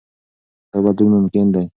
دا بدلون ممکن دی.